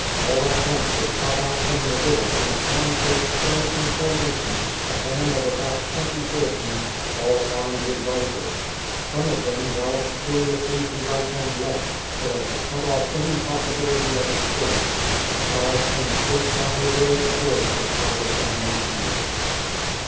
All at once there shot out from the village in a fan shaped skirmishing formation a band of about twenty horsemen, all armed with rifles. Some of them galloped furiously to right and left, so as to cut off any possibility of escape, but five came straight down the road towards the carter and the missionary.